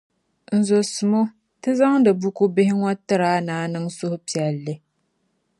N zɔsimo, Ti zaŋdi buku bihi ŋɔ n-tir' a ni suhi piɛlli.